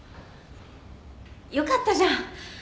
よかったじゃん。